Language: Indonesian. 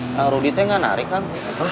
kang ruditnya gak narik kang